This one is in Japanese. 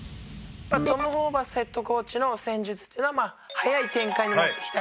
トム・ホーバスヘッドコーチの戦術っていうのは早い展開に持っていきたい。